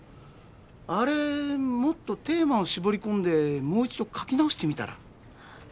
あれもっとテーマを絞りこんでもう一度書き直してみたら？